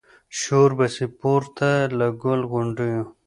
شور به سي پورته له ګل غونډیو